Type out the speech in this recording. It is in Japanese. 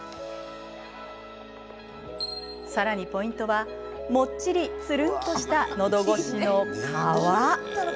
さらにポイントはもっちりつるんとしたのどごしの皮。